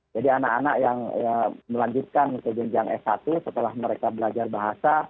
jadi anak anak yang melanjutkan ke jenjang s satu setelah mereka belajar bahasa